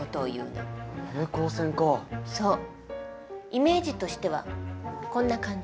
イメージとしてはこんな感じ。